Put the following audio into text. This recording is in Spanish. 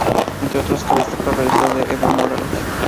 Entre otros, cabe destacar el realizado con Evo Morales.